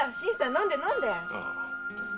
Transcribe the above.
飲んで飲んで！